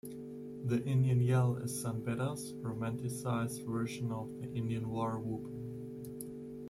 The Indian Yell is San Beda's romanticized version of the Indian war whoop.